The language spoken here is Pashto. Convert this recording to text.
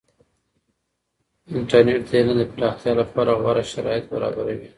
انټرنیټ د علم د پراختیا لپاره غوره شرایط برابروي.